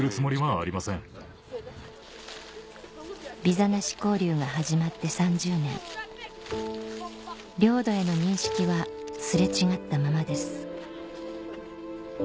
ビザなし交流が始まって３０年領土への認識は擦れ違ったままです